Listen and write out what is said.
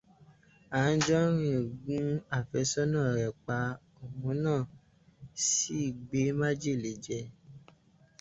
Jẹ́nrọ́lá gún àfẹ́sọ́nà rẹ pa, òun náà sì gbé májèlé jẹ.